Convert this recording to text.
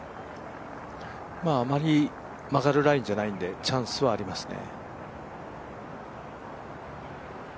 あまり曲がるラインじゃないんで、チャンスはありますね。